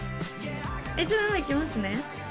１枚目いきますね。